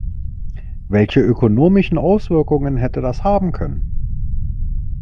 Welche ökonomischen Auswirkungen hätte das haben können?